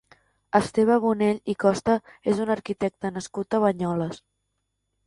Esteve Bonell i Costa és un arquitecte nascut a Banyoles.